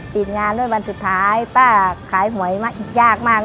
ปิดงานด้วยวันสุดท้ายป้าขายหวยมาอีกยากมาก